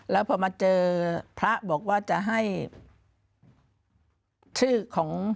แล้วพอมาเจอพระบอกว่าจะให้ชื่อของ